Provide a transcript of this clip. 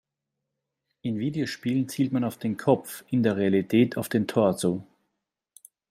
In Videospielen zielt man auf den Kopf, in der Realität auf den Torso.